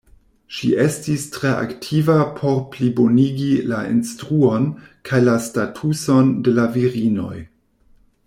Ŝi estis tre aktiva por plibonigi la instruon kaj la statuson de la virinoj.